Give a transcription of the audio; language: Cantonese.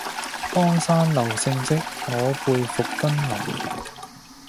江山留勝跡，我輩復登臨。